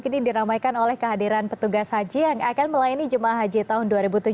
kini diramaikan oleh kehadiran petugas haji yang akan melayani jemaah haji tahun dua ribu tujuh belas